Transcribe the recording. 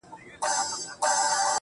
اصلاً پر دې بحث له بنسټه ناسم